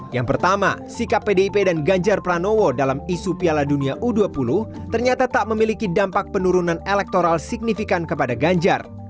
yang pertama sikap pdip dan ganjar pranowo dalam isu piala dunia u dua puluh ternyata tak memiliki dampak penurunan elektoral signifikan kepada ganjar